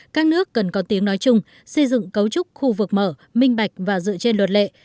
các nước cần có tiếng nói chung xây dựng cấu trúc khu vực mở minh bạch và dựa trên luật lệ